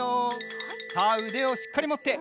さあうでをしっかりもって。